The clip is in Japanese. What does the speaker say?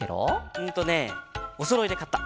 うんとねおそろいでかった。